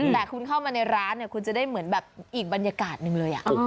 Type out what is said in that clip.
แต่คุณเข้ามาในร้านคุณจะได้เหมือนแบบอีกบรรยากาศหนึ่งเลย